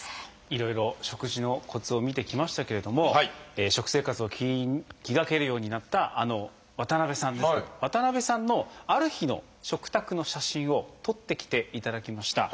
いろいろ食事のコツを見てきましたけれども食生活を気にかけるようになった渡さんですけど渡さんのある日の食卓の写真を撮ってきていただきました。